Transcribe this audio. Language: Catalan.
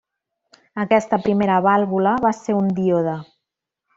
Aquesta primera vàlvula va ser un díode.